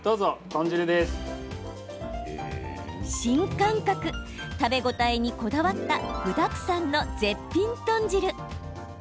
新感覚、食べ応えにこだわった具だくさんの絶品豚汁。